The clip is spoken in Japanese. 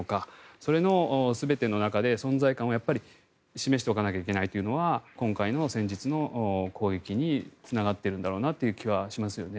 それの全ての中で存在感を示しておかないといけないというのが今回の先日の攻撃につながっているんだろうなという気はしますよね。